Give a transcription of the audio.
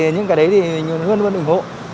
nhưng cái đấy thì hương luôn ủng hộ